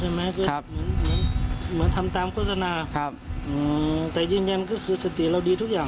อ๋อใช่ไหมเหมือนทำตามโฆษณาครับอืมแต่จริงจริงก็คือสติเราดีทุกอย่าง